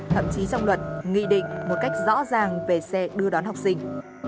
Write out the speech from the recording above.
thậm chí trong luật nghị định một cách rõ ràng về xe đưa đón học sinh